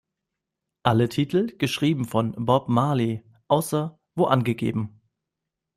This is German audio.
Alle Titel geschrieben von Bob Marley, außer wo angegeben.